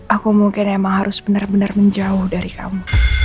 aku mungkin emang harus bener bener menjauh dari kamu